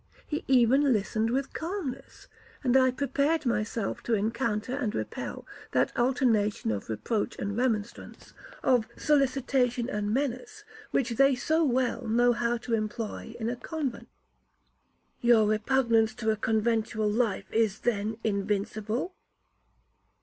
He even listened with calmness, and I prepared myself to encounter and repel that alternation of reproach and remonstrance, of solicitation and menace, which they so well know how to employ in a convent. 'Your repugnance to a conventual life is then invincible?'